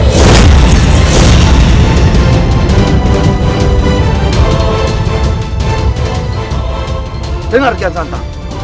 jangan lupa like share dan subscribe ya